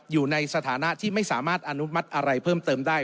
อยู่ในสถานะที่ไม่สามารถอนุมัติอะไรเพิ่มเติมได้